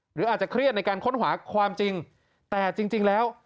หรืออาจจะเครียดในการค้นหาความจริงแต่จริงแล้ว